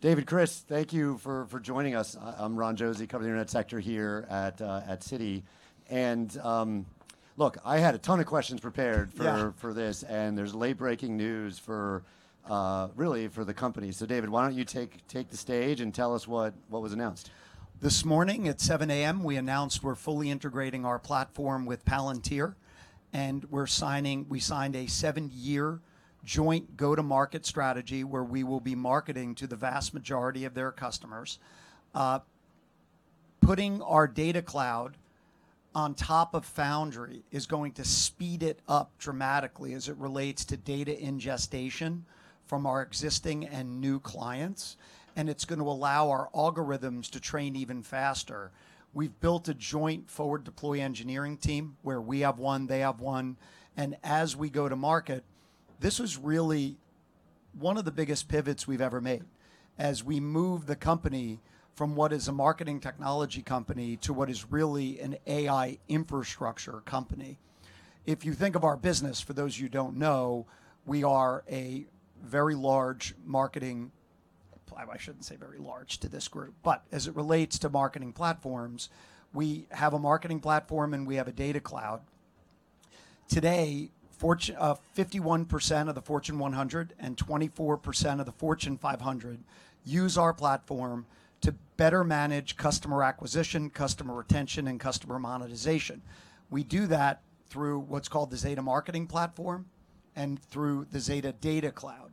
David, Chris, thank you for joining us. I'm Ron Josey, cover the internet sector here at Citi. Look, I had a ton of questions prepared for this, there's late-breaking news, really, for the company. David, why don't you take the stage and tell us what was announced. This morning at 7:00 A.M., we announced we're fully integrating our platform with Palantir, and we signed a seven-year joint go-to-market strategy where we will be marketing to the vast majority of their customers. Putting our data cloud on top of Foundry is going to speed it up dramatically as it relates to data ingestion from our existing and new clients, and it's going to allow our algorithms to train even faster. We've built a joint forward deploy engineering team where we have one, they have one. As we go to market, this was really one of the biggest pivots we've ever made. As we move the company from what is a marketing technology company to what is really an AI infrastructure company. If you think of our business, for those of you who don't know, we are a very large marketing. Well, I shouldn't say very large to this group, but as it relates to marketing platforms, we have a marketing platform, and we have a data cloud. Today, 51% of the Fortune 100 and 24% of the Fortune 500 use our platform to better manage customer acquisition, customer retention, and customer monetization. We do that through what's called the Zeta Marketing Platform and through the Zeta Data Cloud.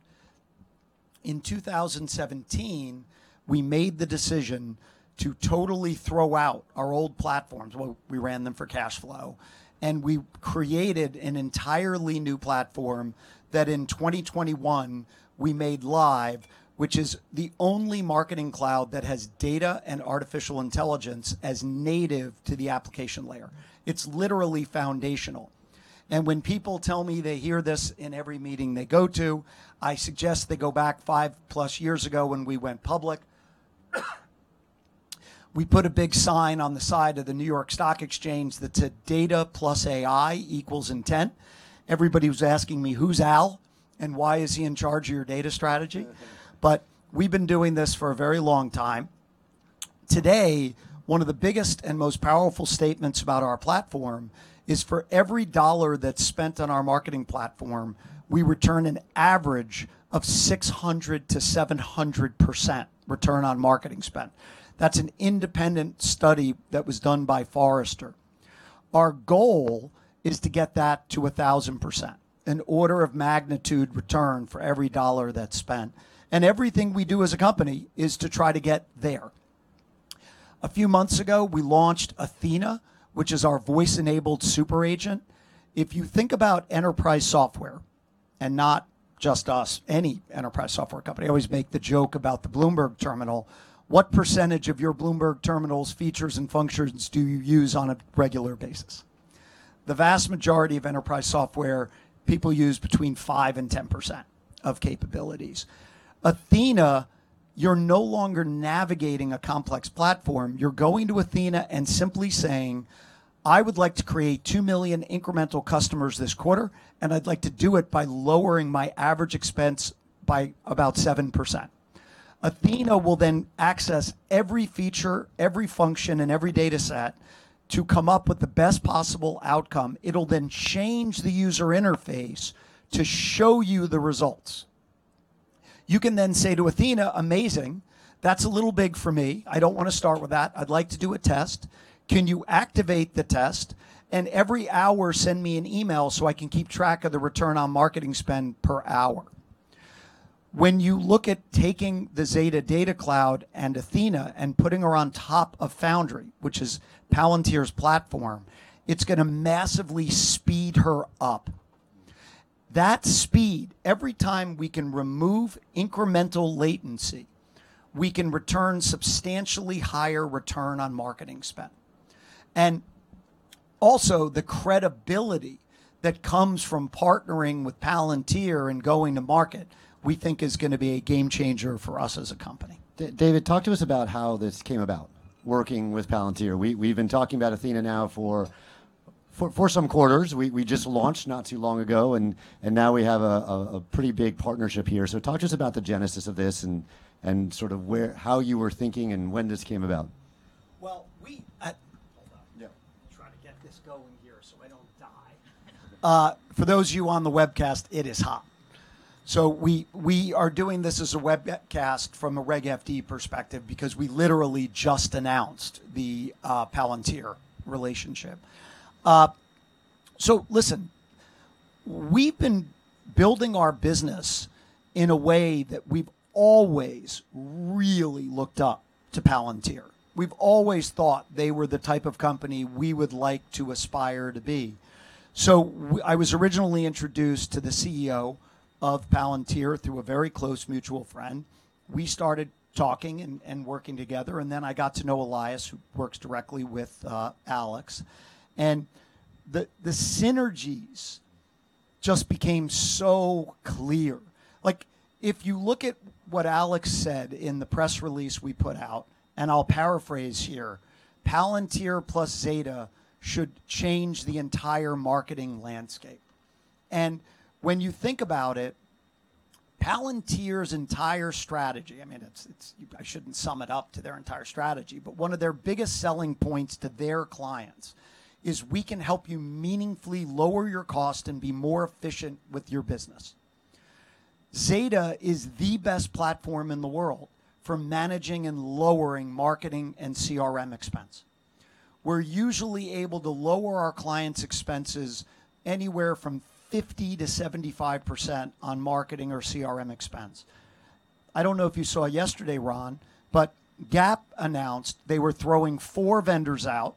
In 2017, we made the decision to totally throw out our old platforms. Well, we ran them for cash flow, and we created an entirely new platform that in 2021 we made live, which is the only marketing cloud that has data and artificial intelligence as native to the application layer. It's literally foundational. When people tell me they hear this in every meeting they go to, I suggest they go back five-plus years ago when we went public. We put a big sign on the side of the New York Stock Exchange that said, "Data plus AI equals intent." Everybody was asking me, "Who's Al, and why is he in charge of your data strategy?" We've been doing this for a very long time. Today, one of the biggest and most powerful statements about our platform is for every dollar that's spent on our marketing platform, we return an average of 600%-700% return on marketing spend. That's an independent study that was done by Forrester. Our goal is to get that to 1,000%, an order of magnitude return for every dollar that's spent. Everything we do as a company is to try to get there. A few months ago, we launched Athena, which is our voice-enabled super agent. If you think about enterprise software, not just us, any enterprise software company, I always make the joke about the Bloomberg Terminal. What percentage of your Bloomberg Terminal's features and functions do you use on a regular basis? The vast majority of enterprise software people use between 5%-10% of capabilities. Athena, you're no longer navigating a complex platform. You're going to Athena and simply saying, "I would like to create two million incremental customers this quarter, and I'd like to do it by lowering my average expense by about 7%." Athena will access every feature, every function, and every dataset to come up with the best possible outcome. It'll change the user interface to show you the results. You can say to Athena, "Amazing. That's a little big for me. I don't want to start with that. I'd like to do a test. Can you activate the test, and every hour send me an email so I can keep track of the return on marketing spend per hour?" When you look at taking the Zeta Data Cloud and Athena and putting her on top of Foundry, which is Palantir's platform, it's going to massively speed her up. That speed, every time we can remove incremental latency, we can return substantially higher return on marketing spend. Also, the credibility that comes from partnering with Palantir and going to market, we think is going to be a game changer for us as a company. David, talk to us about how this came about, working with Palantir. We've been talking about Athena now for some quarters. We just launched not too long ago, and now we have a pretty big partnership here. Talk to us about the genesis of this and sort of how you were thinking and when this came about. Well, we Hold on. Yeah. We are doing this as a webcast from a Reg FD perspective because we literally just announced the Palantir relationship. Listen, we've been building our business in a way that we've always really looked up to Palantir. We've always thought they were the type of company we would like to aspire to be. I was originally introduced to the CEO of Palantir through a very close mutual friend. We started talking and working together, then I got to know Elias, who works directly with Alex. The synergies just became so clear. If you look at what Alex said in the press release we put out, I'll paraphrase here, Palantir plus Zeta should change the entire marketing landscape. When you think about it, Palantir's entire strategy, I shouldn't sum it up to their entire strategy, but one of their biggest selling points to their clients is, "We can help you meaningfully lower your cost and be more efficient with your business." Zeta is the best platform in the world for managing and lowering marketing and CRM expense. We're usually able to lower our clients' expenses anywhere from 50% to 75% on marketing or CRM expense. I don't know if you saw yesterday, Ron, Gap announced they were throwing four vendors out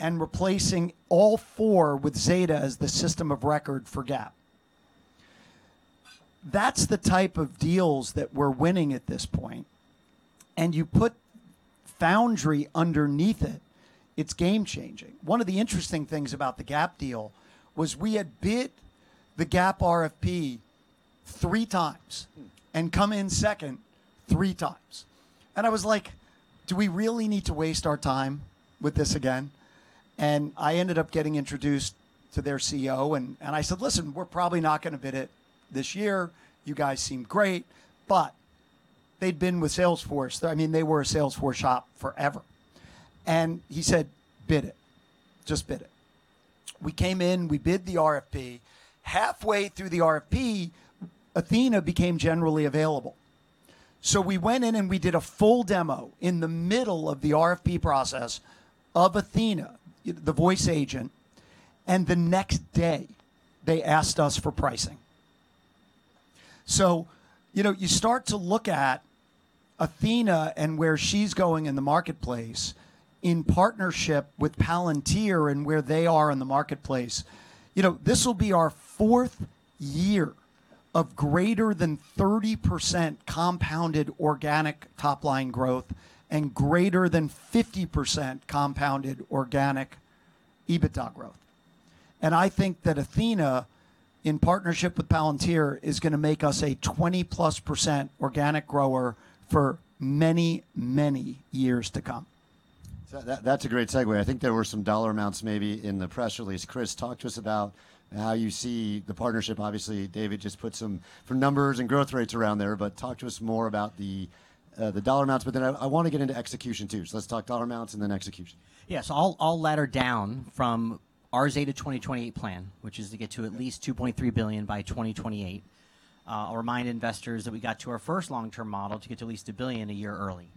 and replacing all four with Zeta as the system of record for Gap. That's the type of deals that we're winning at this point, you put Foundry underneath it's game-changing. One of the interesting things about the Gap deal was we had bid the Gap RFP three times and come in second three times. I was like, "Do we really need to waste our time with this again?" I ended up getting introduced to their CEO and I said, "Listen, we're probably not going to bid it this year. You guys seem great," they'd been with Salesforce. They were a Salesforce shop forever. He said, "Bid it. Just bid it." We came in, we bid the RFP. Halfway through the RFP, Athena became generally available. We went in, we did a full demo in the middle of the RFP process of Athena, the voice agent, the next day they asked us for pricing. You start to look at Athena and where she's going in the marketplace in partnership with Palantir and where they are in the marketplace. This will be our fourth year of greater than 30% compounded organic top-line growth and greater than 50% compounded organic EBITDA growth. I think that Athena, in partnership with Palantir, is going to make us a 20-plus % organic grower for many, many years to come. That's a great segue. I think there were some dollar amounts maybe in the press release. Chris, talk to us about how you see the partnership. Obviously, David just put some numbers and growth rates around there, but talk to us more about the dollar amounts. I want to get into execution, too. Let's talk dollar amounts and then execution. I'll ladder down from our Zeta 2028 plan, which is to get to at least $2.3 billion by 2028. I'll remind investors that we got to our first long-term model to get to at least $1 billion a year early.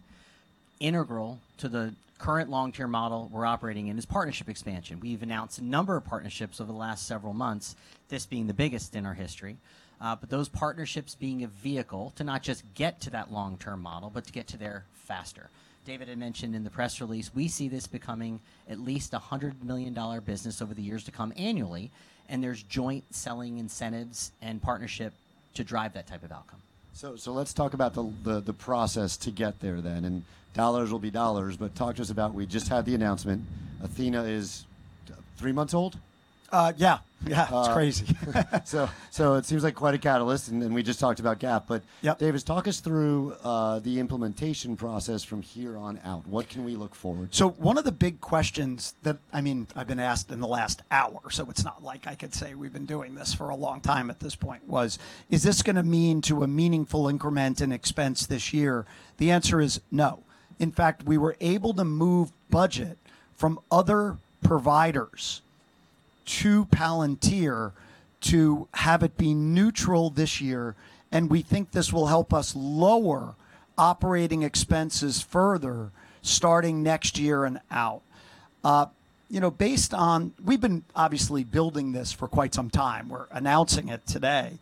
Integral to the current long-term model we're operating in is partnership expansion. We've announced a number of partnerships over the last several months, this being the biggest in our history. Those partnerships being a vehicle to not just get to that long-term model, but to get to there faster. David had mentioned in the press release, we see this becoming at least $100 million business over the years to come annually, and there's joint selling incentives and partnership to drive that type of outcome. Let's talk about the process to get there then, dollars will be dollars. Talk to us about, we just had the announcement, Athena is three months old? Yeah. It's crazy. It seems like quite a catalyst, and then we just talked about Gap. Yep. David, talk us through the implementation process from here on out. What can we look forward to? One of the big questions that I've been asked in the last hour, so it's not like I could say we've been doing this for a long time at this point was, is this going to mean to a meaningful increment in expense this year? The answer is no. In fact, we were able to move budget from other providers to Palantir to have it be neutral this year, and we think this will help us lower operating expenses further starting next year and out. We've been obviously building this for quite some time. We're announcing it today.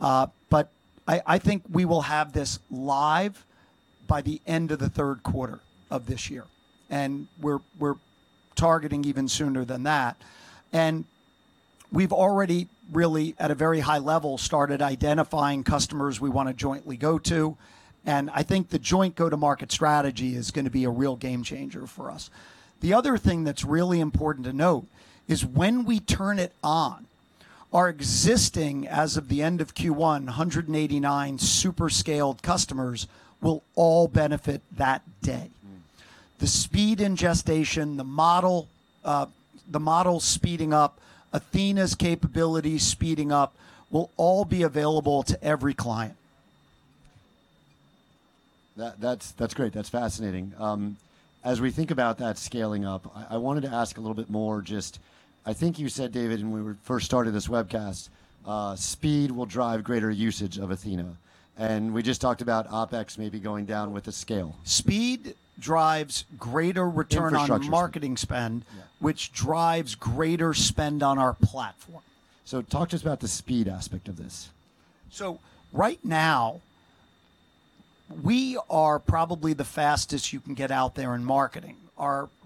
I think we will have this live by the end of the third quarter of this year, and we're targeting even sooner than that. We've already really, at a very high level, started identifying customers we want to jointly go to. I think the joint go-to-market strategy is going to be a real game changer for us. The other thing that's really important to note is when we turn it on, our existing, as of the end of Q1, 189 super scaled customers will all benefit that day. The speed in gestation, the model speeding up, Athena's capabilities speeding up, will all be available to every client. That's great. That's fascinating. As we think about that scaling up, I wanted to ask a little bit more just, I think you said, David, when we first started this webcast, speed will drive greater usage of Athena. We just talked about OpEx maybe going down with the scale. Speed drives greater return- Infrastructure spend on marketing spend Yeah which drives greater spend on our platform. Talk to us about the speed aspect of this. Right now, we are probably the fastest you can get out there in marketing.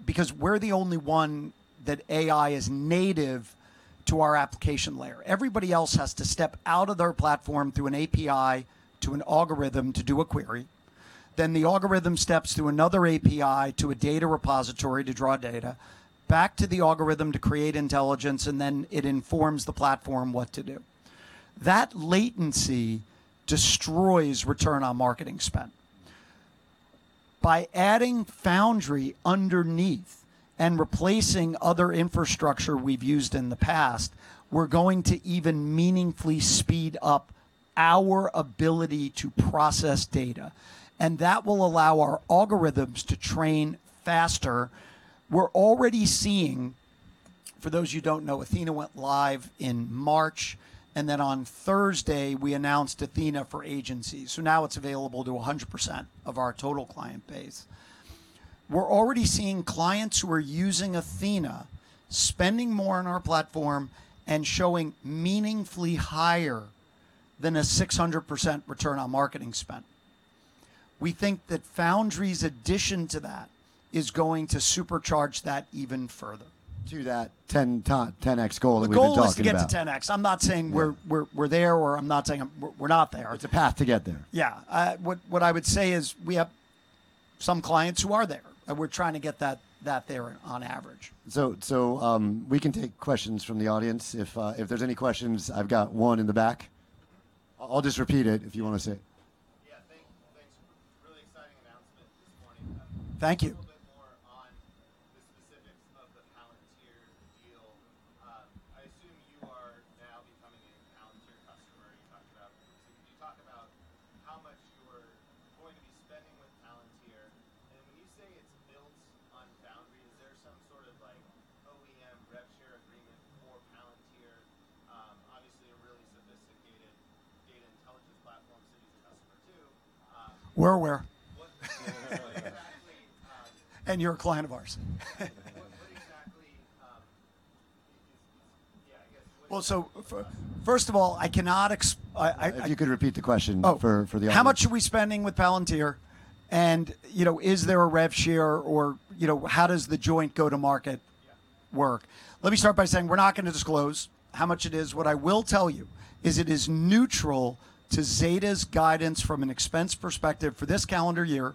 Because we're the only one that AI is native to our application layer. Everybody else has to step out of their platform through an API, to an algorithm to do a query, then the algorithm steps through another API to a data repository to draw data, back to the algorithm to create intelligence, then it informs the platform what to do. That latency destroys return on marketing spend. By adding Foundry underneath and replacing other infrastructure we've used in the past, we're going to even meaningfully speed up our ability to process data. That will allow our algorithms to train faster. We're already seeing, for those who don't know, Athena went live in March, then on Thursday we announced Athena for agencies, so now it's available to 100% of our total client base. We're already seeing clients who are using Athena spending more on our platform and showing meaningfully higher than a 600% return on marketing spend. We think that Foundry's addition to that is going to supercharge that even further. To that 10x goal that we've been talking about. The goal is to get to 10x. I'm not saying we're there, or I'm not saying we're not there. It's a path to get there. Yeah. What I would say is we have some clients who are there, and we're trying to get that there on average. We can take questions from the audience. If there's any questions, I've got one in the back. I'll just repeat it if you want to say it. Yeah. Thanks. Really exciting announcement this morning. Thank you. A little bit more on the specifics of the Palantir deal. I assume you are now becoming a Palantir customer. Could you talk about how much you're going to be spending with Palantir? And when you say it's built on Foundry, is there some sort of OEM rev share agreement for Palantir? Obviously, a really sophisticated data intelligence platform, as a customer, too- We're aware. What exactly- You're a client of ours. What exactly? Well, first of all, I cannot. If you could repeat the question. Oh for the audience. How much are we spending with Palantir, is there a rev share or, how does the joint go to market work? Yeah. Let me start by saying we're not going to disclose how much it is. What I will tell you is it is neutral to Zeta's guidance from an expense perspective for this calendar year,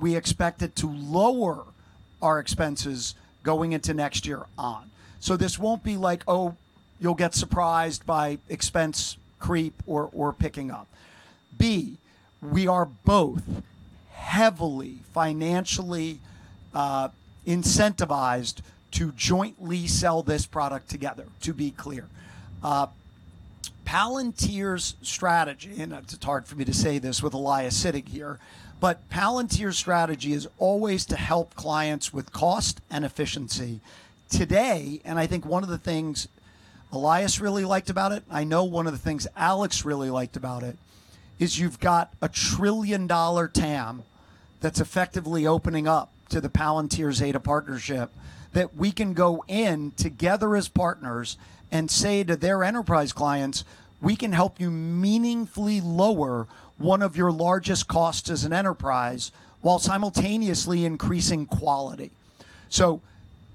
we expect it to lower our expenses going into next year on. This won't be like, oh, you'll get surprised by expense creep or picking up. B, we are both heavily financially incentivized to jointly sell this product together, to be clear. Palantir's strategy, and it's hard for me to say this with Elias sitting here, but Palantir's strategy is always to help clients with cost and efficiency. Today, I think one of the things Elias really liked about it, I know one of the things Alex really liked about it, is you've got a $1 trillion TAM that's effectively opening up to the Palantir Zeta partnership that we can go in together as partners and say to their enterprise clients: "We can help you meaningfully lower one of your largest costs as an enterprise while simultaneously increasing quality."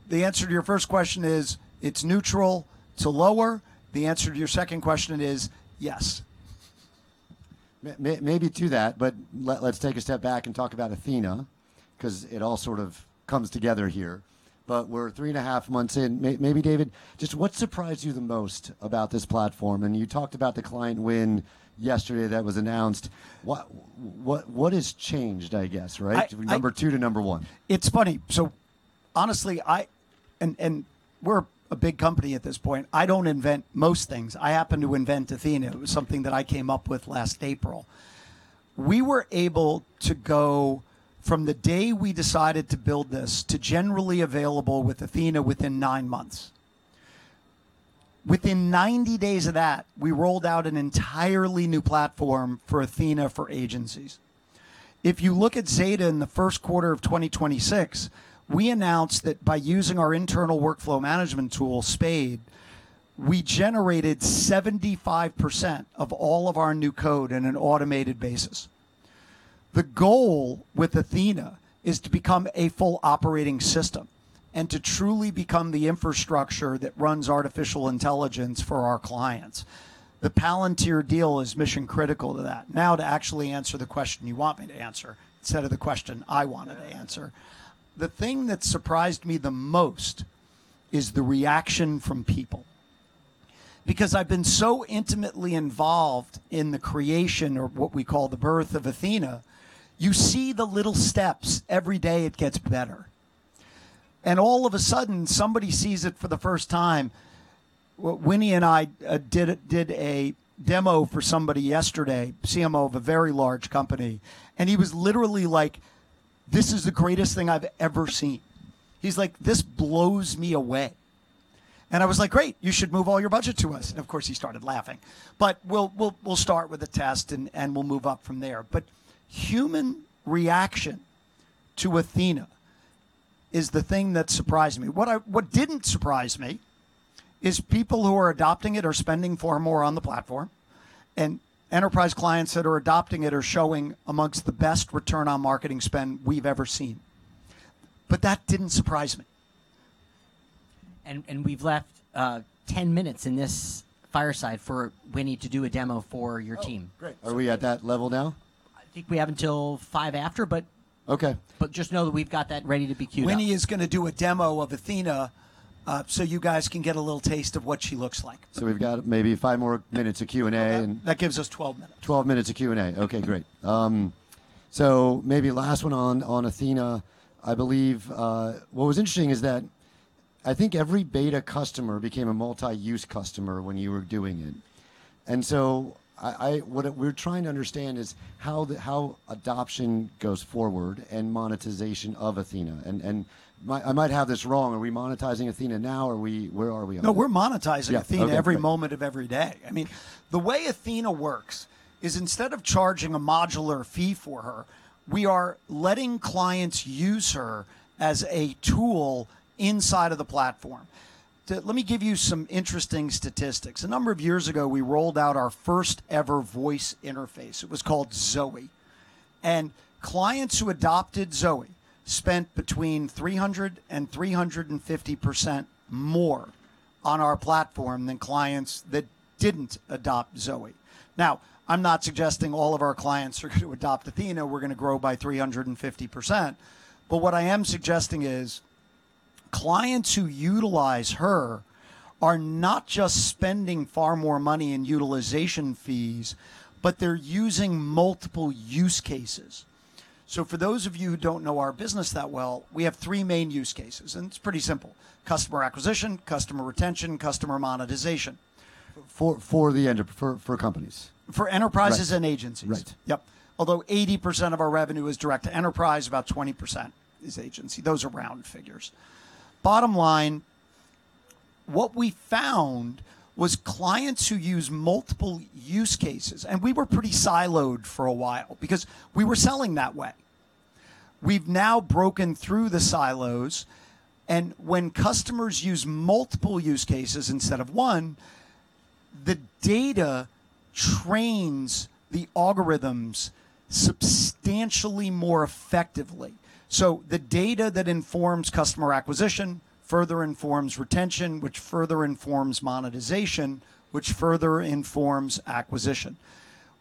The answer to your first question is it's neutral to lower. The answer to your second question is yes. Maybe to that. Let's take a step back and talk about Athena, because it all sort of comes together here. We're three and a half months in. Maybe David, just what surprised you the most about this platform? You talked about the client win yesterday that was announced. What has changed, I guess, right? Number two to number one. It's funny. We're a big company at this point. I don't invent most things. I happen to invent Athena. It was something that I came up with last April. We were able to go from the day we decided to build this to generally available with Athena within nine months. Within 90 days of that, we rolled out an entirely new platform for Athena for agencies. If you look at Zeta in the first quarter of 2026, we announced that by using our internal workflow management tool, Spade, we generated 75% of all of our new code in an automated basis. The goal with Athena is to become a full operating system and to truly become the infrastructure that runs artificial intelligence for our clients. The Palantir deal is mission-critical to that. Now to actually answer the question you want me to answer instead of the question I wanted to answer. The thing that surprised me the most is the reaction from people. I've been so intimately involved in the creation or what we call the birth of Athena, you see the little steps. Every day it gets better. All of a sudden, somebody sees it for the first time. Winnie and I did a demo for somebody yesterday, CMO of a very large company. He was literally like, "This is the greatest thing I've ever seen." He's like, "This blows me away." I was like, "Great. You should move all your budget to us." Of course, he started laughing. We'll start with a test, and we'll move up from there. Human reaction to Athena is the thing that surprised me. What didn't surprise me is people who are adopting it are spending far more on the platform. Enterprise clients that are adopting it are showing amongst the best return on marketing spend we've ever seen. That didn't surprise me. We've left 10 minutes in this fireside for Winnie to do a demo for your team. Oh, great. Are we at that level now? I think we have until five after. Okay Just know that we've got that ready to be queued up. Winnie is going to do a demo of Athena, you guys can get a little taste of what she looks like. We've got maybe five more minutes of Q&A. That gives us 12 minutes. 12 minutes of Q&A. Okay, great. Maybe last one on Athena. I believe what was interesting is that every beta customer became a multi-use customer when you were doing it. What we're trying to understand is how adoption goes forward and monetization of Athena. I might have this wrong. Are we monetizing Athena now? Where are we on that? No, we're monetizing Athena. Yeah. Okay. every moment of every day. The way Athena works is instead of charging a modular fee for her, we are letting clients use her as a tool inside of the platform. Let me give you some interesting statistics. A number of years ago, we rolled out our first ever voice interface. It was called ZOE. Clients who adopted ZOE spent between 300% and 350% more on our platform than clients that didn't adopt ZOE. I'm not suggesting all of our clients are going to adopt Athena, we're going to grow by 350%, but what I am suggesting is clients who utilize her are not just spending far more money in utilization fees, but they're using multiple use cases. For those of you who don't know our business that well, we have three main use cases, and it's pretty simple. Customer acquisition, customer retention, customer monetization. For companies? For enterprises and agencies. Right. Yep. Although 80% of our revenue is direct to enterprise, about 20% is agency. Those are round figures. Bottom line, what we found was clients who use multiple use cases, and we were pretty siloed for a while because we were selling that way. We've now broken through the silos, and when customers use multiple use cases instead of one, the data trains the algorithms substantially more effectively. The data that informs customer acquisition further informs retention, which further informs monetization, which further informs acquisition.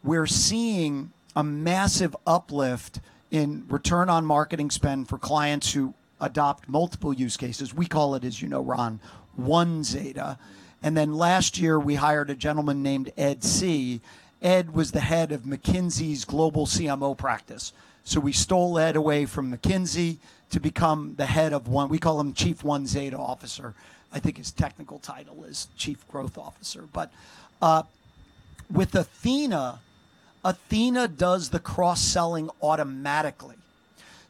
We're seeing a massive uplift in return on marketing spend for clients who adopt multiple use cases. We call it, as you know, Ron, One Zeta. Last year, we hired a gentleman named Ed See. Ed was the head of McKinsey's global CMO practice. We stole Ed away from McKinsey to become the head of one, we call him Chief One Zeta Officer. I think his technical title is Chief Growth Officer. With Athena does the cross-selling automatically.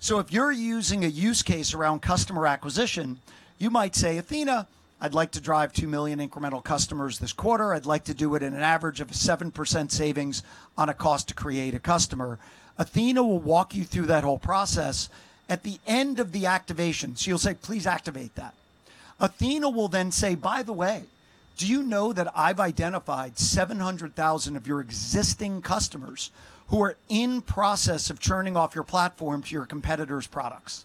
If you're using a use case around customer acquisition, you might say, "Athena, I'd like to drive 2 million incremental customers this quarter. I'd like to do it in an average of 7% savings on a cost to create a customer." Athena will walk you through that whole process at the end of the activation. You'll say, "Please activate that." Athena will say, "By the way, do you know that I've identified 700,000 of your existing customers who are in process of churning off your platform to your competitors' products?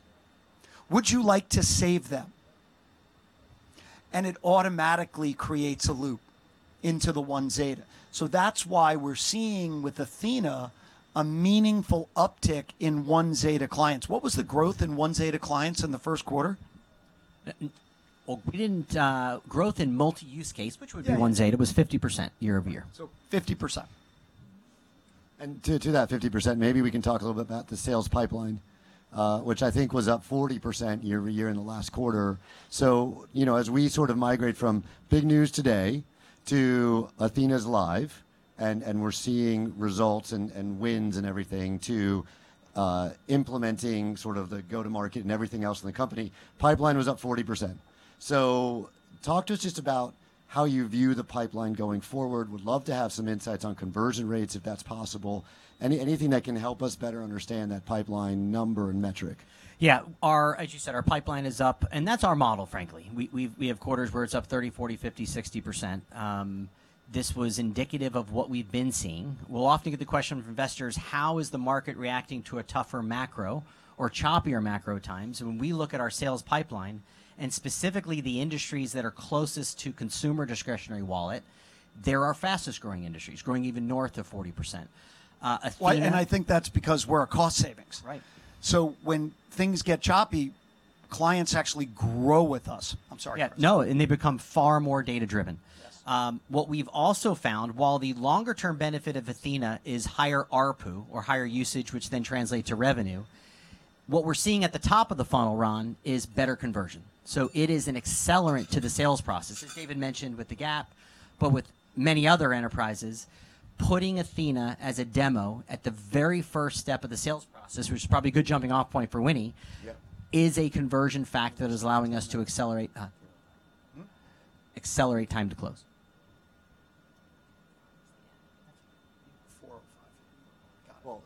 Would you like to save them?" It automatically creates a loop into the One Zeta. That's why we're seeing with Athena a meaningful uptick in One Zeta clients. What was the growth in One Zeta clients in the first quarter? Well, growth in multi-use case, which would be One Zeta, was 50% year-over-year. 50%. To that 50%, maybe we can talk a little bit about the sales pipeline, which I think was up 40% year-over-year in the last quarter. As we sort of migrate from big news today to Athena's live, and we're seeing results and wins and everything to implementing sort of the go-to-market and everything else in the company, pipeline was up 40%. Talk to us just about how you view the pipeline going forward. Would love to have some insights on conversion rates, if that's possible. Anything that can help us better understand that pipeline number and metric. Yeah. As you said, our pipeline is up, and that's our model, frankly. We have quarters where it's up 30, 40, 50, 60%. This was indicative of what we've been seeing. We'll often get the question from investors, how is the market reacting to a tougher macro or choppier macro times? When we look at our sales pipeline, and specifically the industries that are closest to consumer discretionary wallet, they're our fastest-growing industries, growing even north of 40%. Athena Well, I think that's because we're a cost savings. Right. When things get choppy, clients actually grow with us. I'm sorry. Yeah. No, they become far more data-driven. Yes. What we've also found, while the longer-term benefit of Athena is higher ARPU or higher usage, which then translates to revenue, what we're seeing at the top of the funnel, Ron, is better conversion. It is an accelerant to the sales process. As David mentioned with the Gap, but with many other enterprises, putting Athena as a demo at the very first step of the sales process, which is probably a good jumping-off point for Winnie- Yep is a conversion factor that is allowing us to accelerate time to close. Four or five. Well,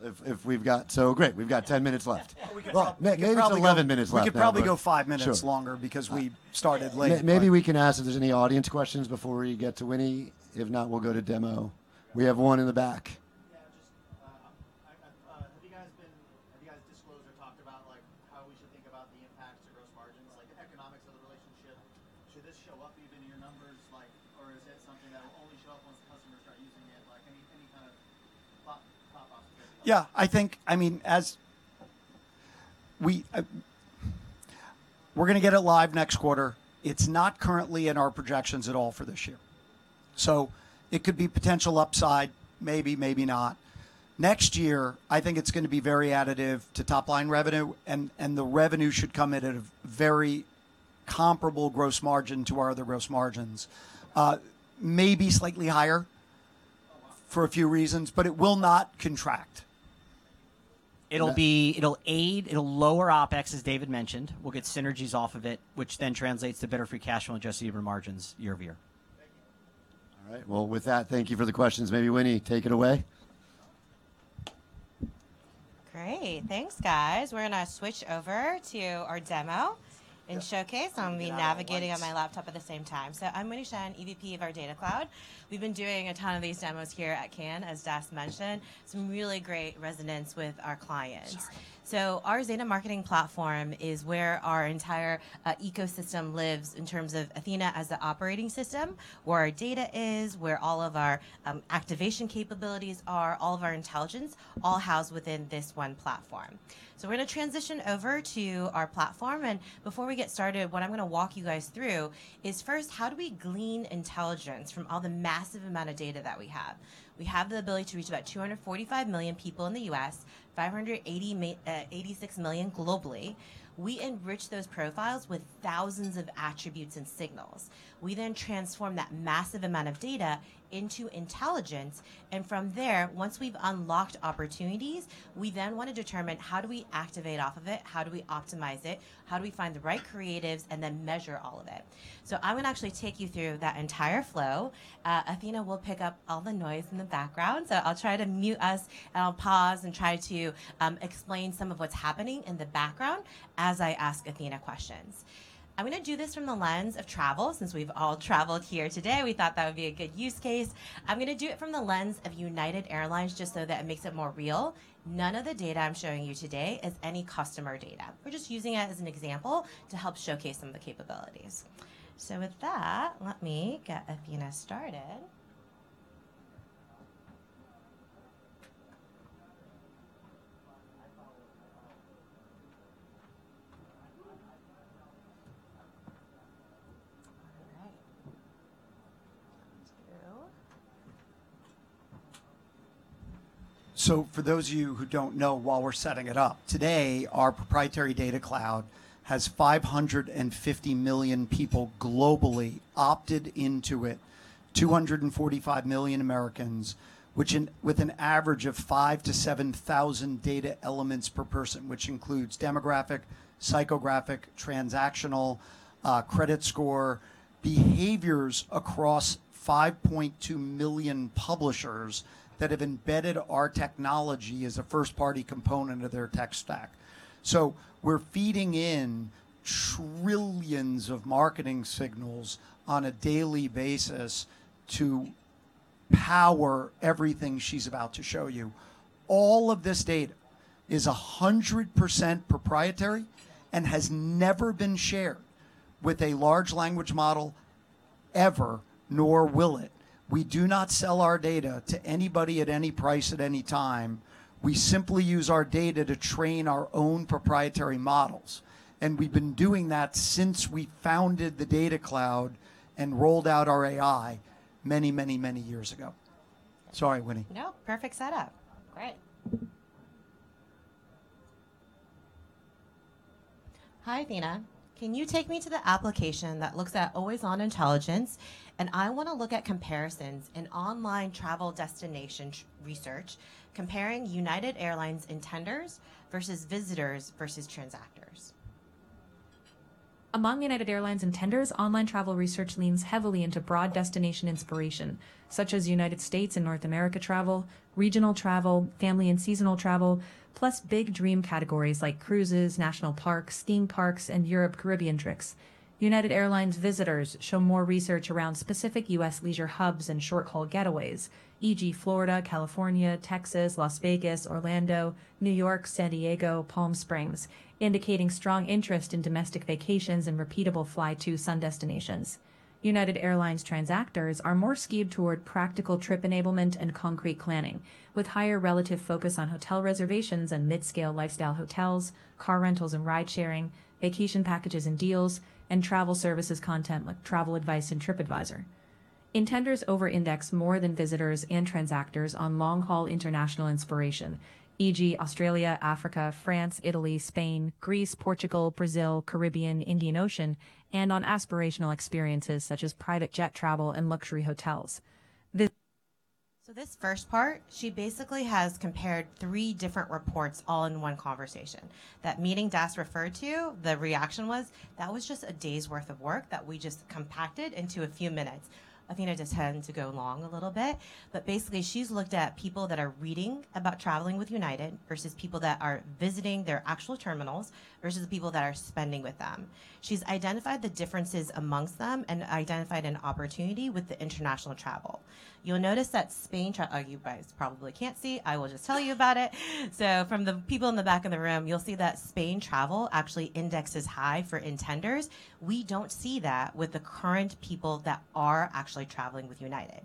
great, we've got 10 minutes left. Yeah. we could probably maybe it's 11 minutes left now. We could probably go five minutes longer Sure because we started late. Maybe we can ask if there's any audience questions before you get to Winnie. If not, we'll go to demo. We have one in the back. Yeah. Have you guys disclosed or talked about how we should think about the impact to gross margins, like economics of the relationship? Should this show up even in your numbers, or is that something that will only show up once the customers start using it? Any kind of pop-offs you guys have? Yeah. We're going to get it live next quarter. It's not currently in our projections at all for this year. It could be potential upside, maybe not. Next year, I think it's going to be very additive to top-line revenue. The revenue should come in at a very comparable gross margin to our other gross margins. Maybe slightly higher for a few reasons, it will not contract. It'll aid, it'll lower OpEx, as David mentioned. We'll get synergies off of it, which then translates to better free cash flow and adjusted EBITDA margins year-over-year. Thank you. All right. Well, with that, thank you for the questions. Maybe Winnie, take it away. Great. Thanks, guys. We're going to switch over to our demo and showcase. I'll be navigating on my laptop at the same time. I'm Winnie Shen, EVP of our Data Cloud. We've been doing a ton of these demos here at Cannes, as Das mentioned, some really great resonance with our clients. Sorry. Our Zeta Marketing Platform is where our entire ecosystem lives in terms of Athena as the operating system, where our data is, where all of our activation capabilities are, all of our intelligence, all housed within this one platform. We're going to transition over to our platform, and before we get started, what I'm going to walk you guys through is first, how do we glean intelligence from all the massive amount of data that we have? We have the ability to reach about 245 million people in the U.S., 586 million globally. We enrich those profiles with thousands of attributes and Signals. We transform that massive amount of data into intelligence. From there, once we've unlocked opportunities, we want to determine how do we activate off of it, how do we optimize it, how do we find the right creatives, measure all of it. I'm going to actually take you through that entire flow. Athena will pick up all the noise in the background, so I'll try to mute us, I'll pause and try to explain some of what's happening in the background as I ask Athena questions. I'm going to do this from the lens of travel, since we've all traveled here today. We thought that would be a good use case. I'm going to do it from the lens of United Airlines just so that it makes it more real. None of the data I'm showing you today is any customer data. We're just using it as an example to help showcase some of the capabilities. With that, let me get Athena started. All right. One, two. For those of you who don't know, while we're setting it up, today, our proprietary Zeta Data Cloud has 550 million people globally opted into it, 245 million Americans, with an average of 5,000-7,000 data elements per person, which includes demographic, psychographic, transactional, credit score, behaviors across 5.2 million publishers that have embedded our technology as a first-party component of their tech stack. We're feeding in trillions of marketing signals on a daily basis to power everything she's about to show you. All of this data is 100% proprietary and has never been shared with a large language model, ever, nor will it. We do not sell our data to anybody at any price at any time. We simply use our data to train our own proprietary models, and we've been doing that since we founded the Zeta Data Cloud and rolled out our AI many years ago. Sorry, Winnie. No, perfect setup. Great. Hi, Athena. Can you take me to the application that looks at always-on intelligence? I want to look at comparisons in online travel destination research comparing United Airlines intenders versus visitors versus transactors. Among United Airlines intenders, online travel research leans heavily into broad destination inspiration, such as United States and North America travel, regional travel, family and seasonal travel, plus big dream categories like cruises, national parks, theme parks, and Europe, Caribbean trips. United Airlines visitors show more research around specific U.S. leisure hubs and short-haul getaways, e.g., Florida, California, Texas, Las Vegas, Orlando, New York, San Diego, Palm Springs, indicating strong interest in domestic vacations and repeatable fly to sun destinations. United Airlines transactors are more skewed toward practical trip enablement and concrete planning, with higher relative focus on hotel reservations and mid-scale lifestyle hotels, car rentals and ride-sharing, vacation packages and deals, and travel services content like travel advice and Tripadvisor. Intenders over-index more than visitors and transactors on long-haul international inspiration, e.g., Australia, Africa, France, Italy, Spain, Greece, Portugal, Brazil, Caribbean, Indian Ocean, and on aspirational experiences such as private jet travel and luxury hotels. This first part, she basically has compared three different reports all in one conversation. That meeting Das referred to, the reaction was, that was just a day's worth of work that we just compacted into a few minutes. Athena does tend to go long a little bit. Basically, she's looked at people that are reading about traveling with United versus people that are visiting their actual terminals versus the people that are spending with them. She's identified the differences amongst them and identified an opportunity with the international travel. You'll notice that Spain. You guys probably can't see. I will just tell you about it. From the people in the back of the room, you'll see that Spain travel actually indexes high for intenders. We don't see that with the current people that are actually traveling with United.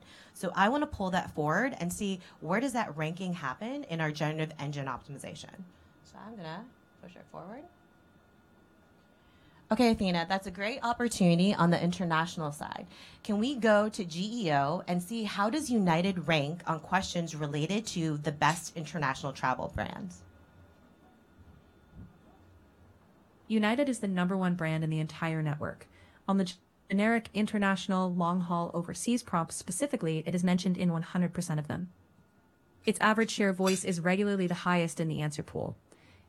I want to pull that forward and see where does that ranking happen in our generative engine optimization. I'm going to push it forward. Athena, that's a great opportunity on the international side. Can we go to GEO and see how does United rank on questions related to the best international travel brands? United is the number 1 brand in the entire network. On the generic international long-haul overseas prompts specifically, it is mentioned in 100% of them. Its average share of voice is regularly the highest in the answer pool.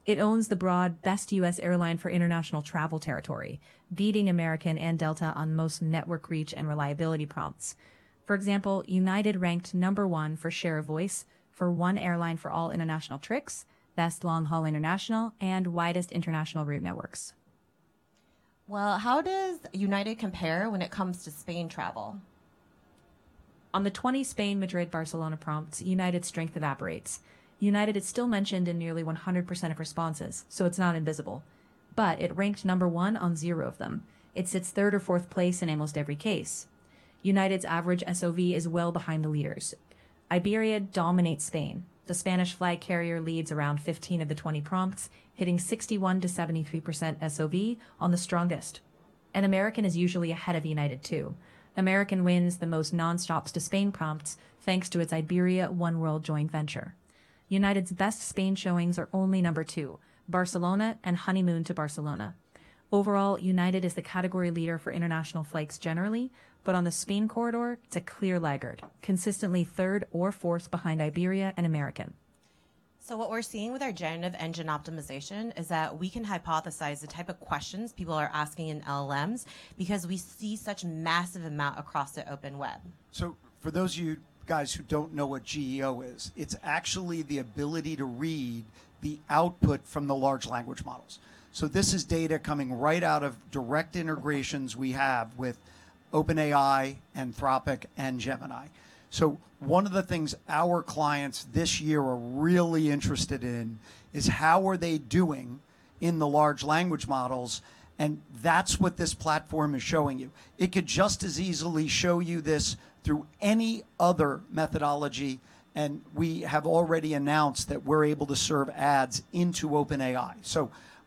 It owns the broad best U.S. airline for international travel territory, beating American and Delta on most network reach and reliability prompts. For example, United ranked number 1 for share of voice for one airline for all international trips, best long-haul international, and widest international route networks. How does United compare when it comes to Spain travel? On the 20 Spain-Madrid-Barcelona prompts, United's strength evaporates. United is still mentioned in nearly 100% of responses, so it's not invisible, but it ranked number one on zero of them. It sits third or fourth place in almost every case. United's average SOV is well behind the leaders. Iberia dominates Spain. The Spanish flag carrier leads around 15 of the 20 prompts, hitting 61%-73% SOV on the strongest, and American is usually ahead of United, too. American wins the most nonstops to Spain prompts, thanks to its Iberia Oneworld joint venture. United's best Spain showings are only number two, Barcelona and honeymoon to Barcelona. Overall, United is the category leader for international flights generally, but on the Spain corridor, it's a clear laggard, consistently third or fourth behind Iberia and American. What we're seeing with our generative engine optimization is that we can hypothesize the type of questions people are asking in LLMs because we see such massive amount across the open web. For those of you guys who don't know what GEO is, it's actually the ability to read the output from the large language models. This is data coming right out of direct integrations we have with OpenAI, Anthropic, and Gemini. One of the things our clients this year are really interested in is how are they doing in the large language models, and that's what this platform is showing you. It could just as easily show you this through any other methodology, and we have already announced that we're able to serve ads into OpenAI.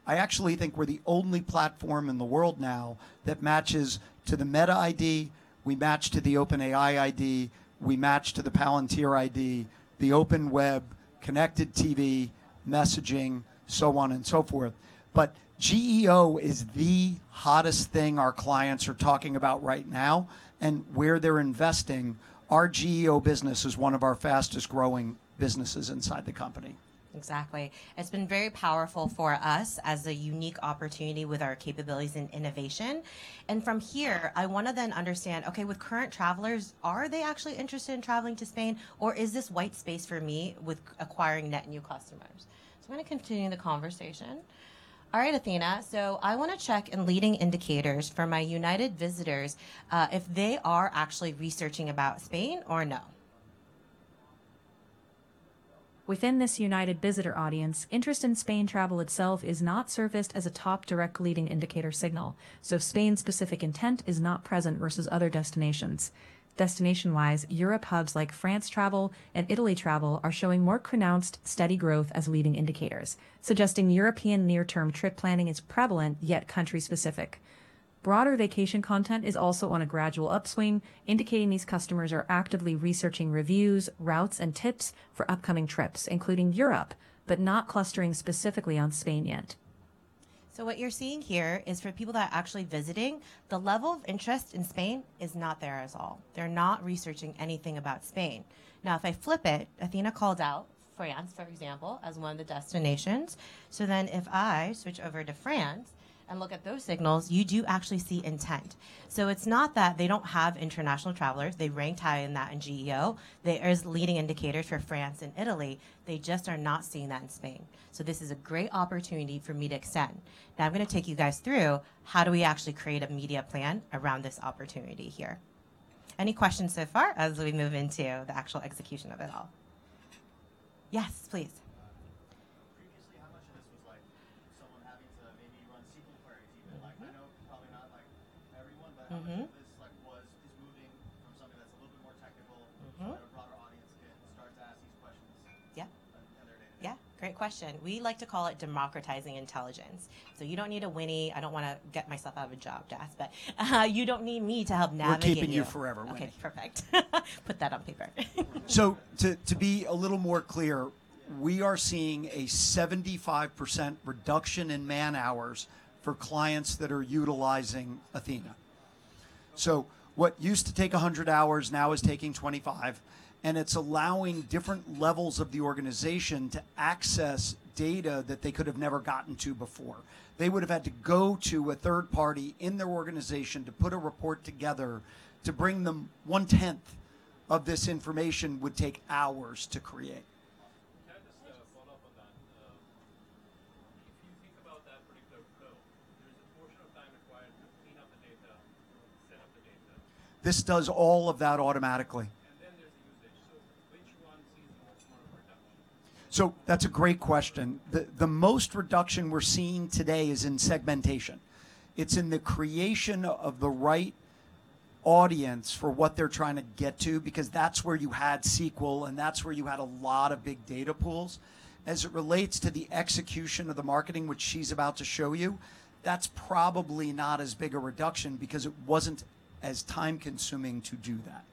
I actually think we're the only platform in the world now that matches to the Meta ID, we match to the OpenAI ID, we match to the Palantir ID, the open web, connected TV, messaging, so on and so forth. GEO is the hottest thing our clients are talking about right now and where they're investing. Our GEO business is one of our fastest-growing businesses inside the company. Exactly. It's been very powerful for us as a unique opportunity with our capabilities in innovation. From here, I want to then understand, okay, with current travelers, are they actually interested in traveling to Spain, or is this white space for me with acquiring net new customers? I'm going to continue the conversation. Athena, I want to check in leading indicators for my United visitors, if they are actually researching about Spain or no. Within this United visitor audience, interest in Spain travel itself is not surfaced as a top direct leading indicator signal. Spain-specific intent is not present versus other destinations. Destination-wise, Europe hubs like France travel and Italy travel are showing more pronounced, steady growth as leading indicators, suggesting European near-term trip planning is prevalent, yet country-specific. Broader vacation content is also on a gradual upswing, indicating these customers are actively researching reviews, routes, and tips for upcoming trips, including Europe, but not clustering specifically on Spain yet. What you're seeing here is for people that are actually visiting, the level of interest in Spain is not there at all. They're not researching anything about Spain. If I flip it, Athena called out France, for example, as one of the destinations. If I switch over to France and look at those Signals, you do actually see intent. It's not that they don't have international travelers. They ranked high in that in GEO as leading indicators for France and Italy. They just are not seeing that in Spain. This is a great opportunity for me to extend. I'm going to take you guys through how do we actually create a media plan around this opportunity here. Any questions so far as we move into the actual execution of it all? Yes, please. Previously, how much of this was someone having to maybe run SQL queries even? I know probably not everyone. How much of this is moving from something that's a little bit more technical to let a broader audience start to ask these questions Yeah in their day-to-day? Yeah. Great question. We like to call it democratizing intelligence. You don't need a Winnie. I don't want to get myself out of a job, Das, but you don't need me to help navigate you. We're keeping you forever, Winnie. Okay, perfect. Put that on paper. To be a little more clear, we are seeing a 75% reduction in man-hours for clients that are utilizing Athena. What used to take 100 hours now is taking 25, and it's allowing different levels of the organization to access data that they could have never gotten to before. They would have had to go to a third party in their organization to put a report together. To bring them one tenth of this information would take hours to create. Can I just follow up on that? If you think about that particular flow, there's a portion of time required to clean up the data or set up the data. This does all of that automatically. There's usage. Which one sees much more reduction? That's a great question. The most reduction we're seeing today is in segmentation. It's in the creation of the right audience for what they're trying to get to, because that's where you had SQL, and that's where you had a lot of big data pools. As it relates to the execution of the marketing, which she's about to show you, that's probably not as big a reduction because it wasn't as time-consuming to do that.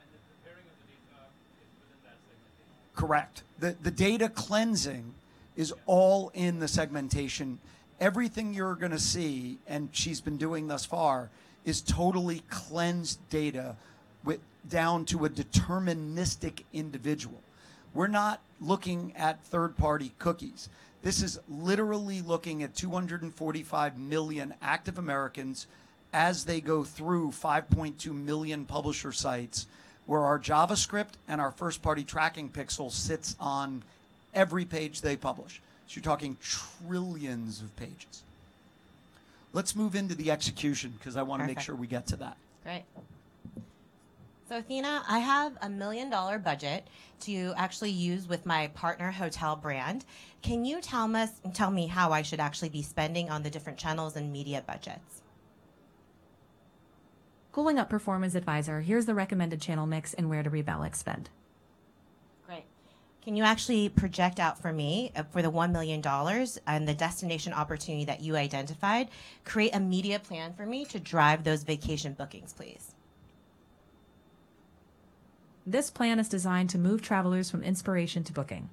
The preparing of the data is within that segmentation? Correct. The data cleansing is all in the segmentation. Everything you're going to see, and she's been doing thus far, is totally cleansed data down to a deterministic individual. We're not looking at third-party cookies. This is literally looking at 245 million active Americans as they go through 5.2 million publisher sites where our JavaScript and our first-party tracking pixel sits on every page they publish. You're talking trillions of pages. Let's move into the execution because I want to make sure we get to that. Great. Athena, I have a $1 million budget to actually use with my partner hotel brand. Can you tell me how I should actually be spending on the different channels and media budgets? Pulling up Performance Advisor, here's the recommended channel mix and where to rebalance spend. Great. Can you actually project out for me, for the $1 million and the destination opportunity that you identified, create a media plan for me to drive those vacation bookings, please? This plan is designed to move travelers from inspiration to booking.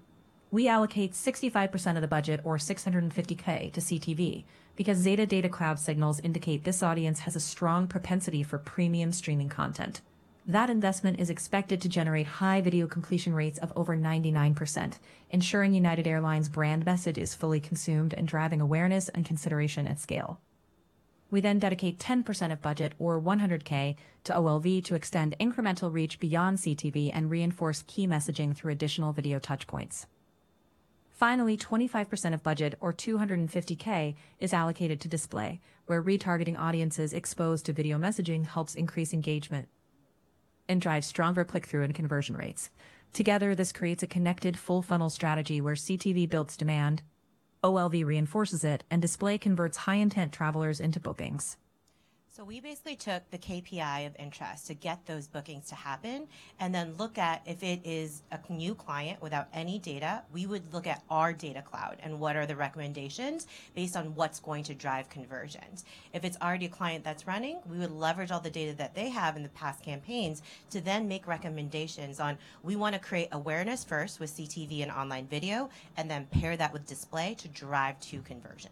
We allocate 65% of the budget, or $650K, to CTV because Zeta Data Cloud Signals indicate this audience has a strong propensity for premium streaming content. That investment is expected to generate high video completion rates of over 99%, ensuring United Airlines' brand message is fully consumed and driving awareness and consideration at scale. We dedicate 10% of budget, or $100K, to OLV to extend incremental reach beyond CTV and reinforce key messaging through additional video touch points. Finally, 25% of budget, or $250K, is allocated to display, where retargeting audiences exposed to video messaging helps increase engagement and drives stronger click-through and conversion rates. This creates a connected full-funnel strategy where CTV builds demand, OLV reinforces it, and display converts high-intent travelers into bookings. We basically took the KPI of interest to get those bookings to happen. If it is a new client without any data, we would look at our Data Cloud and what are the recommendations based on what's going to drive conversions. If it's already a client that's running, we would leverage all the data that they have in the past campaigns to make recommendations on. We want to create awareness first with CTV and online video, then pair that with display to drive to conversion.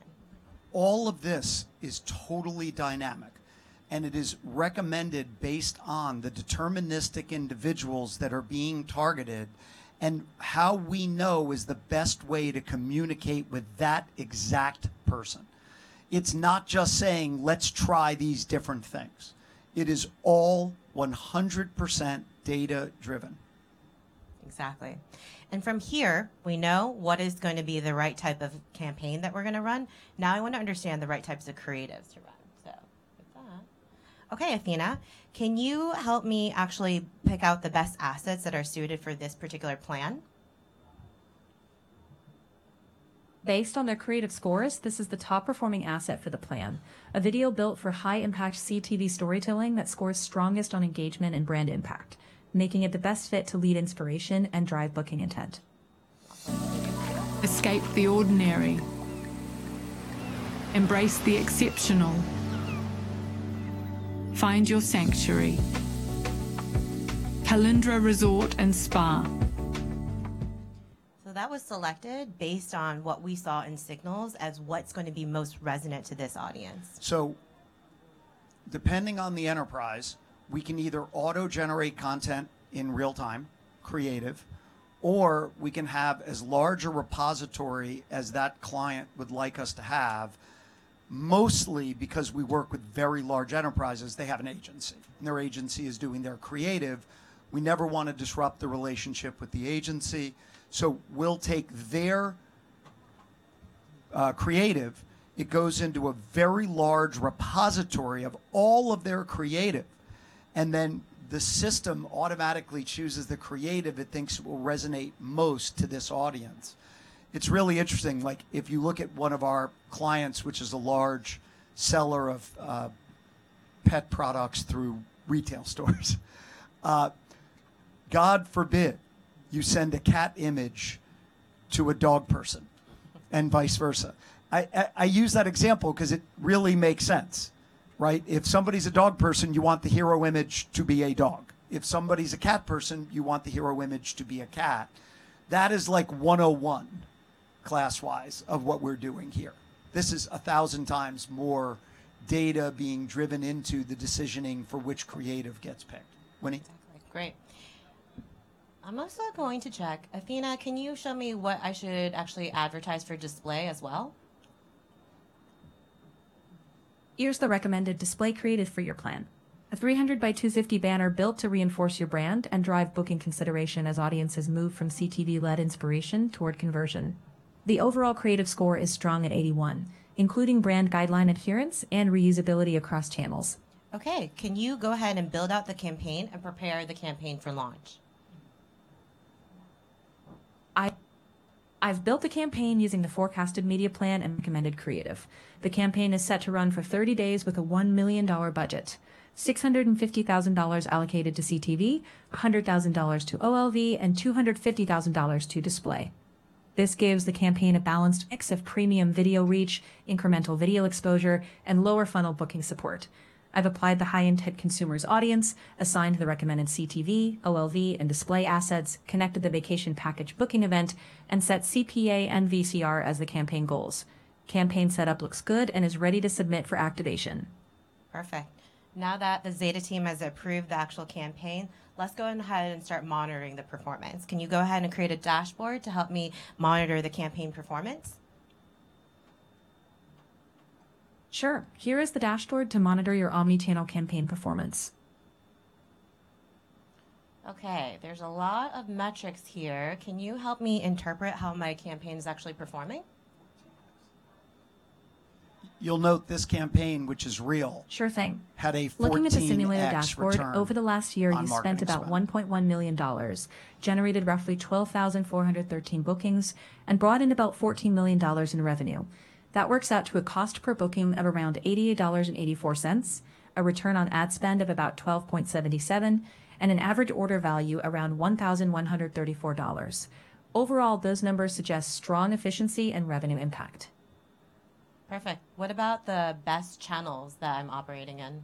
All of this is totally dynamic. It is recommended based on the deterministic individuals that are being targeted and how we know is the best way to communicate with that exact person. It's not just saying, "Let's try these different things." It is all 100% data-driven. Exactly. From here, we know what is going to be the right type of campaign that we're going to run. Now I want to understand the right types of creatives to run. With that, okay, Athena, can you help me actually pick out the best assets that are suited for this particular plan? Based on their creative scores, this is the top-performing asset for the plan, a video built for high-impact CTV storytelling that scores strongest on engagement and brand impact, making it the best fit to lead inspiration and drive booking intent. Escape the ordinary. Embrace the exceptional. Find your sanctuary. Halindra Resort & Spa. That was selected based on what we saw in Signals as what's going to be most resonant to this audience. Depending on the enterprise, we can either auto-generate content in real-time, creative, or we can have as large a repository as that client would like us to have. Mostly because we work with very large enterprises, they have an agency, and their agency is doing their creative. We never want to disrupt the relationship with the agency, so we'll take their creative, it goes into a very large repository of all of their creative, and then the system automatically chooses the creative it thinks will resonate most to this audience. It's really interesting. If you look at one of our clients, which is a large seller of pet products through retail stores, God forbid you send a cat image to a dog person and vice versa. I use that example because it really makes sense. If somebody's a dog person, you want the hero image to be a dog. If somebody's a cat person, you want the hero image to be a cat. That is like 101 class-wise of what we're doing here. This is 1,000 times more data being driven into the decisioning for which creative gets picked. Winnie? Exactly. Great. I'm also going to check, Athena, can you show me what I should actually advertise for display as well? Here's the recommended display creative for your plan. A 300 by 250 banner built to reinforce your brand and drive booking consideration as audiences move from CTV-led inspiration toward conversion. The overall creative score is strong at 81, including brand guideline adherence and reusability across channels. Okay. Can you go ahead and build out the campaign and prepare the campaign for launch? I've built a campaign using the forecasted media plan and recommended creative. The campaign is set to run for 30 days with a $1 million budget, $650,000 allocated to CTV, $100,000 to OLV, and $250,000 to display. This gives the campaign a balanced mix of premium video reach, incremental video exposure, and lower funnel booking support. I've applied the high intent consumers audience, assigned the recommended CTV, OLV, and display assets, connected the vacation package booking event, and set CPA and VCR as the campaign goals. Campaign setup looks good and is ready to submit for activation. Perfect. Now that the Zeta team has approved the actual campaign, let's go ahead and start monitoring the performance. Can you go ahead and create a dashboard to help me monitor the campaign performance? Sure. Here is the dashboard to monitor your omni-channel campaign performance. Okay, there's a lot of metrics here. Can you help me interpret how my campaign's actually performing? You'll note this campaign, which is real Sure thing had a 14x return on marketing spend. Looking at the simulated dashboard, over the last year, you've spent about $1.1 million, generated roughly 12,413 bookings, and brought in about $14 million in revenue. That works out to a cost per booking of around $88.84, a return on ad spend of about 12.77%, and an average order value around $1,134. Overall, those numbers suggest strong efficiency and revenue impact. Perfect. What about the best channels that I'm operating in?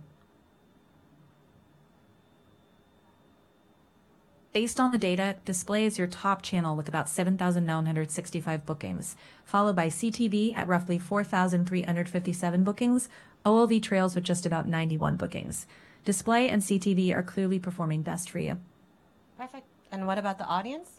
Based on the data, display is your top channel with about 7,965 bookings, followed by CTV at roughly 4,357 bookings. OLV trails with just about 91 bookings. Display and CTV are clearly performing best for you. Perfect. What about the audience?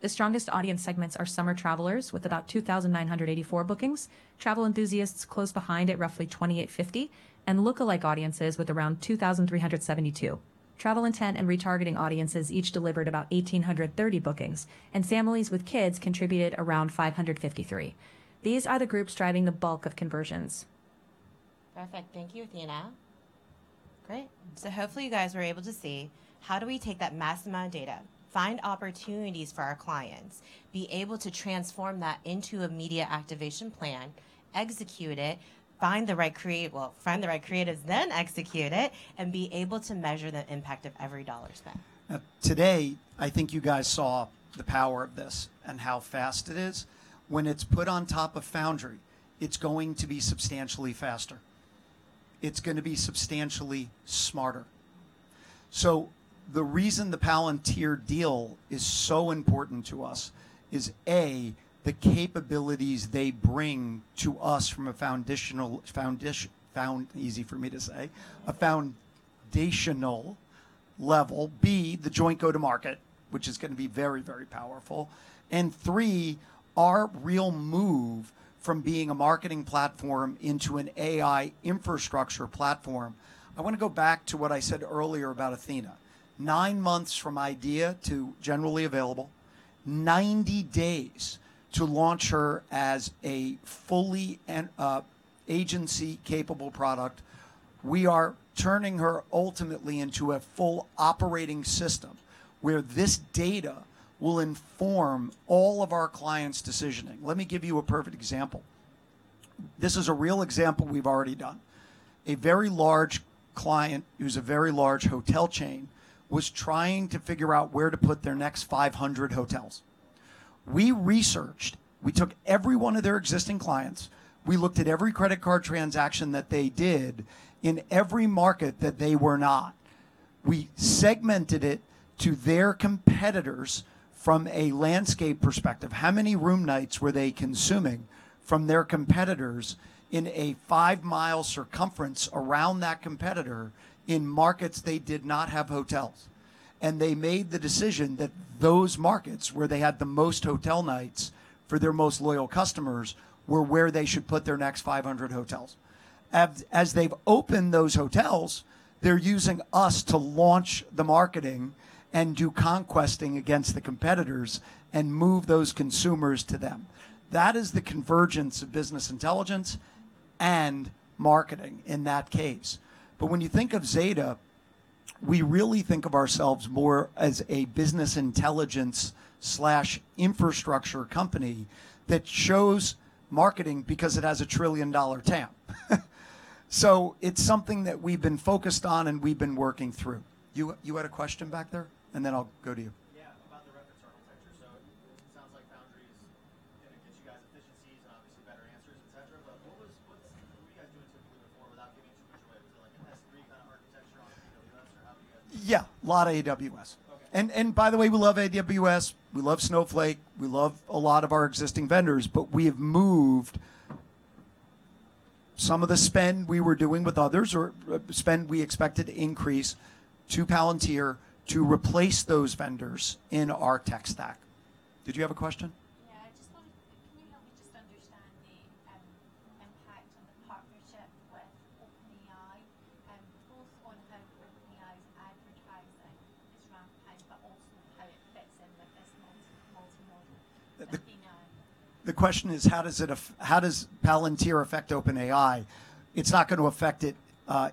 The strongest audience segments are summer travelers with about 2,984 bookings. Travel enthusiasts close behind at roughly 2,850, and lookalike audiences with around 2,372. Travel intent and retargeting audiences each delivered about 1,830 bookings, and families with kids contributed around 553. These are the groups driving the bulk of conversions. Perfect. Thank you, Athena. Hopefully you guys were able to see how do we take that massive amount of data, find opportunities for our clients, be able to transform that into a media activation plan, execute it, find the right creative, well, find the right creatives, then execute it, and be able to measure the impact of every dollar spent. Today, I think you guys saw the power of this and how fast it is. When it's put on top of Foundry, it's going to be substantially faster. It's going to be substantially smarter. The reason the Palantir deal is so important to us is, A, the capabilities they bring to us from a foundational, easy for me to say, a foundational level. B, the joint go to market, which is going to be very, very powerful. Three, our real move from being a marketing platform into an AI infrastructure platform. I want to go back to what I said earlier about Athena. Nine months from idea to generally available, 90 days to launch her as a fully agency-capable product. We are turning her ultimately into a full operating system where this data will inform all of our clients' decisioning. Let me give you a perfect example. This is a real example we've already done. A very large client who's a very large hotel chain was trying to figure out where to put their next 500 hotels. We researched. We took every one of their existing clients. We looked at every credit card transaction that they did in every market that they were not. We segmented it to their competitors from a landscape perspective. How many room nights were they consuming from their competitors in a five-mile circumference around that competitor in markets they did not have hotels? They made the decision that those markets, where they had the most hotel nights for their most loyal customers, were where they should put their next 500 hotels. As they've opened those hotels, they're using us to launch the marketing and do conquesting against the competitors and move those consumers to them. That is the convergence of business intelligence and marketing in that case. When you think of Zeta, we really think of ourselves more as a business intelligence/infrastructure company that chose marketing because it has a trillion-dollar TAM. It's something that we've been focused on, and we've been working through. You had a question back there, and then I'll go to you. Yeah, about the reference architecture. It sounds like Foundry is going to get you guys efficiencies and obviously better answers, et cetera, what were you guys doing typically before without getting too much away? Was it like an S3 kind of architecture on AWS, or how were you guys- Yeah, lot of AWS. Okay. By the way, we love AWS, we love Snowflake, we love a lot of our existing vendors, we have moved some of the spend we were doing with others, or spend we expected to increase, to Palantir to replace those vendors in our tech stack. Did you have a question? Yeah. Can you help me just understand the impact of the partnership with OpenAI, both on how OpenAI's- The question is how does Palantir affect OpenAI? It's not going to affect it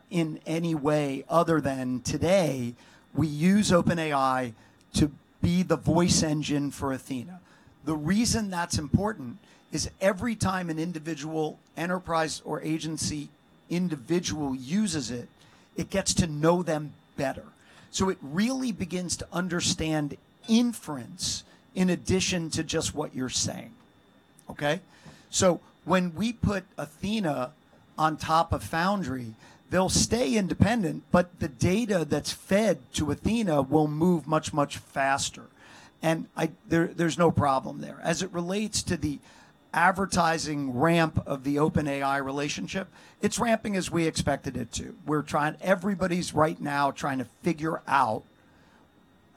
in any way other than today we use OpenAI to be the voice engine for Athena. The reason that's important is every time an individual enterprise or agency individual uses it gets to know them better. It really begins to understand inference in addition to just what you're saying. Okay? When we put Athena on top of Foundry, they'll stay independent, but the data that's fed to Athena will move much, much faster. There's no problem there. As it relates to the advertising ramp of the OpenAI relationship, it's ramping as we expected it to. Everybody's right now trying to figure out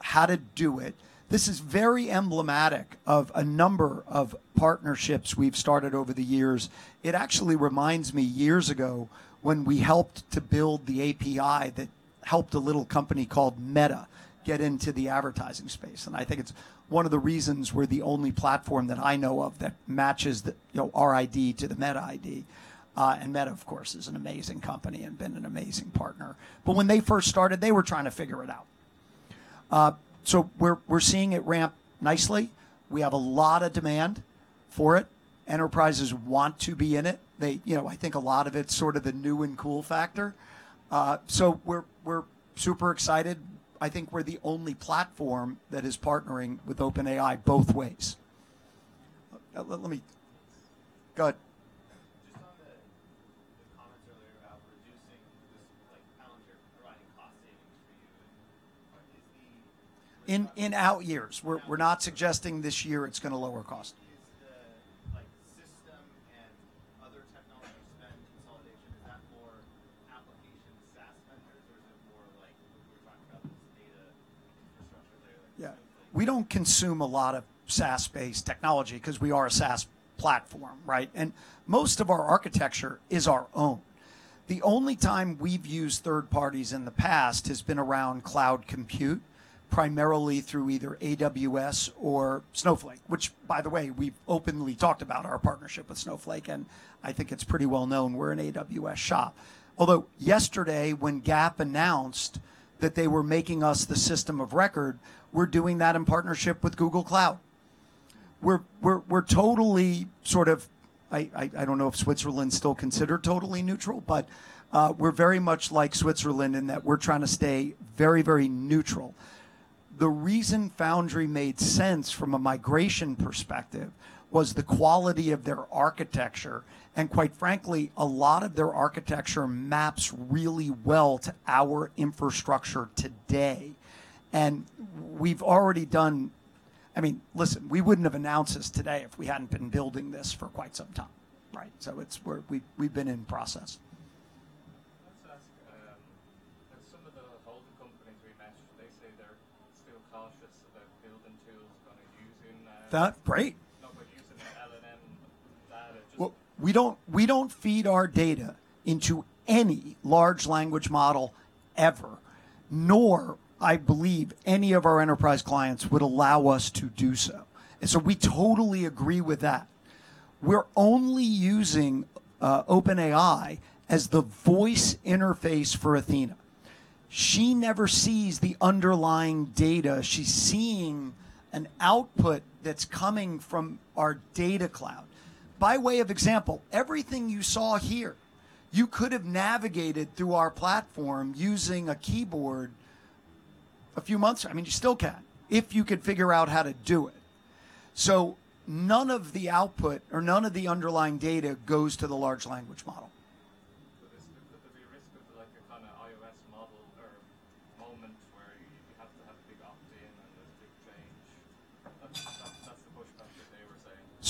how to do it. This is very emblematic of a number of partnerships we've started over the years. It actually reminds me, years ago, when we helped to build the API that helped a little company called Meta get into the advertising space. I think it's one of the reasons we're the only platform that I know of that matches our ID to the Meta ID. Meta, of course, is an amazing company and been an amazing partner. When they first started, they were trying to figure it out. We're seeing it ramp nicely. We have a lot of demand for it. Enterprises want to be in it. I think a lot of it's sort of the new and cool factor. We're super excited. I think we're the only platform that is partnering with OpenAI both ways. Let me Go ahead. Just on the comments earlier about reducing this, Palantir providing cost savings for you, is the- In out years. We're not suggesting this year it's going to lower cost. Is the system and other technology spend consolidation, is that more application SaaS vendors, or is it more like we were talking about this data infrastructure there? Yeah. We don't consume a lot of SaaS-based technology because we are a SaaS platform, right? Most of our architecture is our own. The only time we've used third parties in the past has been around cloud compute, primarily through either AWS or Snowflake, which by the way, we've openly talked about our partnership with Snowflake, and I think it's pretty well-known we're an AWS shop. Yesterday, when Gap announced that they were making us the system of record, we're doing that in partnership with Google Cloud. We're totally sort of, I don't know if Switzerland's still considered totally neutral, but we're very much like Switzerland in that we're trying to stay very neutral. The reason Foundry made sense from a migration perspective was the quality of their architecture, and quite frankly, a lot of their architecture maps really well to our infrastructure today. Listen, we wouldn't have announced this today if we hadn't been building this for quite some time. Right? We've been in process. Can I just ask, some of the holding companies we mentioned, they say they're still cautious about building tools, kind of using. That, right not with using the LLM data. We don't feed our data into any large language model ever, nor I believe any of our enterprise clients would allow us to do so. We totally agree with that. We're only using OpenAI as the voice interface for Athena. She never sees the underlying data. She's seeing an output that's coming from our Data Cloud. By way of example, everything you saw here, you could've navigated through our platform using a keyboard a few months. You still can, if you could figure out how to do it. None of the output or none of the underlying data goes to the large language model.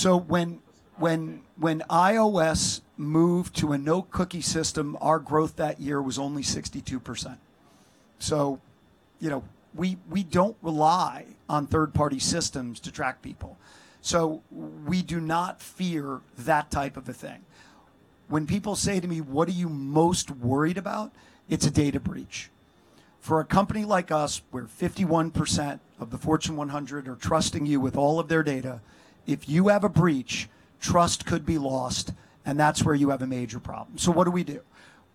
There's the real risk of an iOS model or moment where you have to have a big opt-in and a big change. That's the pushback that they were saying. When iOS moved to a no-cookie system, our growth that year was only 62%. We don't rely on third-party systems to track people. We do not fear that type of a thing. When people say to me, "What are you most worried about?" It's a data breach. For a company like us, where 51% of the Fortune 100 are trusting you with all of their data, if you have a breach, trust could be lost, and that's where you have a major problem. What do we do?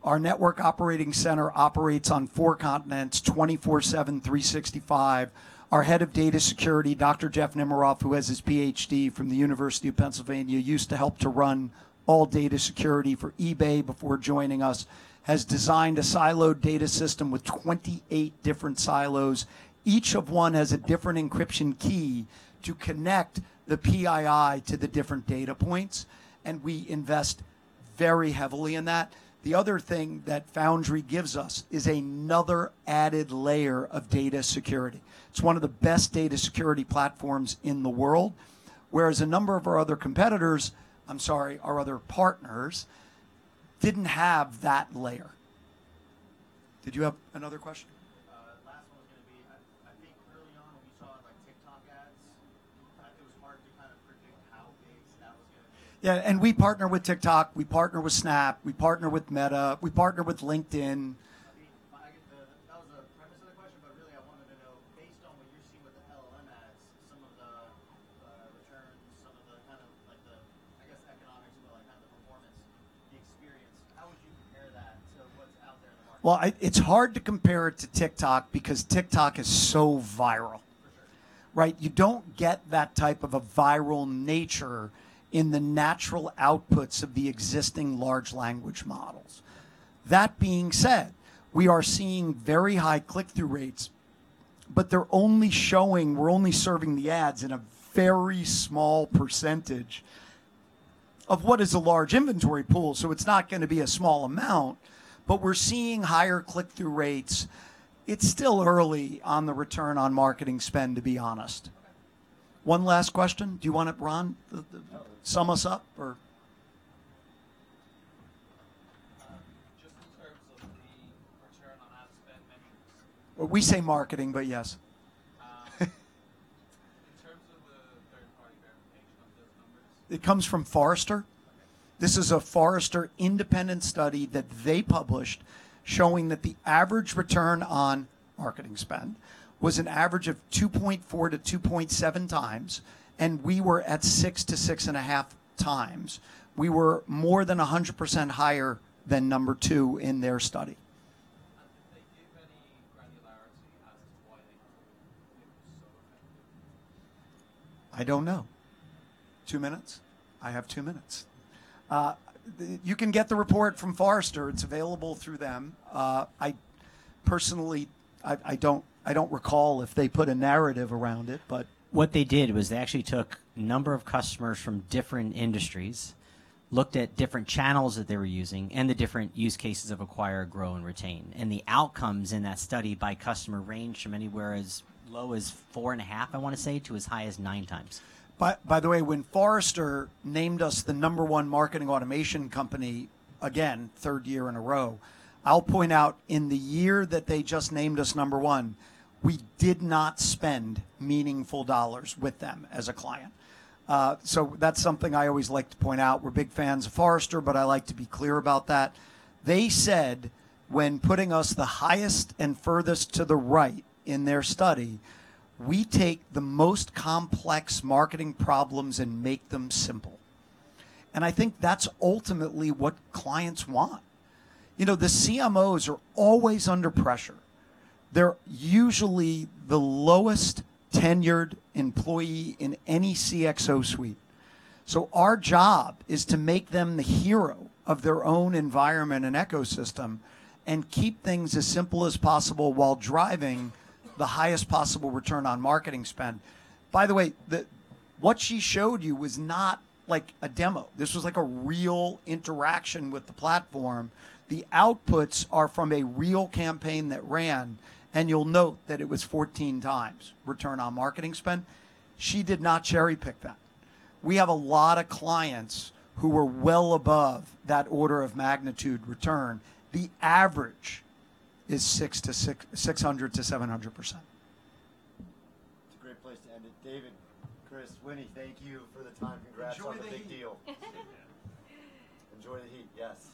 Our network operating center operates on four continents, 24/7, 365. Our head of data security, Dr. Jeffry Nimeroff, who has his PhD from the University of Pennsylvania, used to help to run all data security for eBay before joining us, has designed a siloed data system with 28 different silos. Each of one has a different encryption key to connect the PII to the different data points, and we invest very heavily in that. The other thing that Foundry gives us is another added layer of data security. It's one of the best data security platforms in the world. Whereas a number of our other competitors, I'm sorry, our other partners, didn't have that layer. Did you have another question? Last one was going to be, I think early on when we saw TikTok ads, it was hard to kind of predict how big Snap was going to be. We partner with TikTok, we partner with Snap, we partner with Meta, we partner with LinkedIn. Really, I wanted to know, based on what you're seeing with the LLM ads, some of the returns, some of the, I guess, economics, but the performance, the experience, how would you compare that to what's out there in the market? Well, it's hard to compare it to TikTok because TikTok is so viral. For sure. Right? You don't get that type of a viral nature in the natural outputs of the existing large language models. That being said, we are seeing very high click-through rates, but we're only serving the ads in a very small percentage of what is a large inventory pool. It's not going to be a small amount, but we're seeing higher click-through rates. It's still early on the return on marketing spend, to be honest. Okay. One last question. Do you want to, Ron, sum us up or? Just in terms of the return on ad spend metrics. Well, we say marketing, but yes. In terms of the third-party verification of those numbers. It comes from Forrester. Okay. This is a Forrester independent study that they published showing that the average return on marketing spend was an average of 2.4x to 2.7x, and we were at 6x-6.5x. We were more than 100% higher than number two in their study. Did they give any granularity as to why they were so effective? I don't know. Two minutes? I have two minutes. You can get the report from Forrester. It's available through them. I personally, I don't recall if they put a narrative around it. What they did was they actually took a number of customers from different industries, looked at different channels that they were using, and the different use cases of acquire, grow, and retain. The outcomes in that study by customer range from anywhere as low as four and a half, I want to say, to as high as 9x. By the way, when Forrester named us the number one marketing automation company, again, third year in a row, I'll point out in the year that they just named us number one, we did not spend meaningful dollars with them as a client. That's something I always like to point out. We're big fans of Forrester, but I like to be clear about that. They said, when putting us the highest and furthest to the right in their study, "We take the most complex marketing problems and make them simple." I think that's ultimately what clients want. The CMOs are always under pressure. They're usually the lowest tenured employee in any CXO suite. Our job is to make them the hero of their own environment and ecosystem and keep things as simple as possible while driving the highest possible return on marketing spend. By the way, what she showed you was not a demo. This was a real interaction with the platform. The outputs are from a real campaign that ran, and you'll note that it was 14 times return on marketing spend. She did not cherry-pick that. We have a lot of clients who were well above that order of magnitude return. The average is 600%-700%. It's a great place to end it. David, Chris, Winnie, thank you for the time. Enjoy the heat. Congrats on the big deal. Yeah. Enjoy the heat, yes.